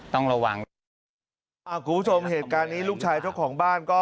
ต้องระวัง